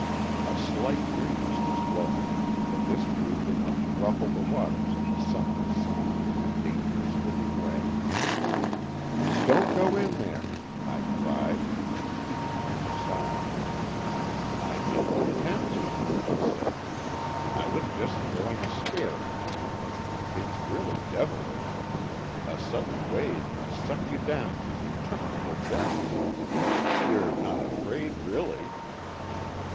A slight breeze was blowing but this proved enough to ruffle the waters of the Sunless Sea in a dangerous looking way. "Don't go in there!" I cried, and Kee turned aside. "I didn't intend to," he said, "I was just throwing a scare into you. It's really devilish. A sudden wave can suck you down to interminable depths. You're not afraid, really?"